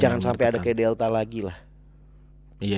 jangan sampai ada kayak delta lagi lah